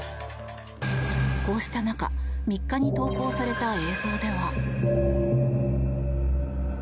こうした中３日に投稿された映像では。